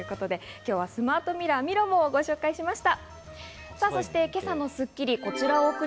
今日はスマートミラー、ミロモをご紹介しました。